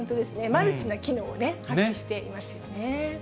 マルチな機能を発揮していますよね。